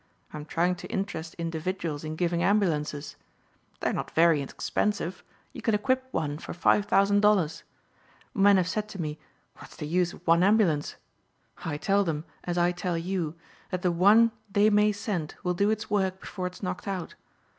I'm trying to interest individuals in giving ambulances. They're not very expensive. You can equip one for $5,000. Men have said to me, 'What's the use of one ambulance?' I tell them as I tell you that the one they may send will do its work before it's knocked out.